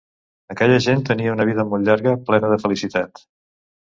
Aquella gent tenia una vida molt llarga, plena de felicitat.